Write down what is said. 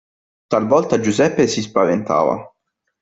Talvolta Giuseppe si spaventava.